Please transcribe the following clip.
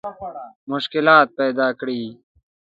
مشکلات پیدا کړي.